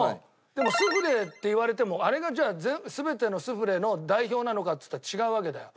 でもスフレって言われてもあれがじゃあ全てのスフレの代表なのかっつったら違うわけだよ。